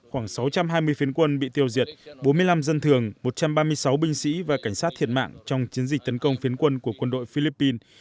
khoảng sáu trăm hai mươi phiến quân bị tiêu diệt bốn mươi năm dân thường một trăm ba mươi sáu binh sĩ và cảnh sát thiệt mạng trong chiến dịch tấn công phiến quân của quân đội philippines